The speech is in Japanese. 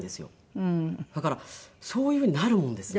だからそういうふうになるもんですね。